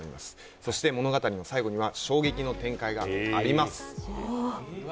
そして物語の最後には衝撃の展開があります。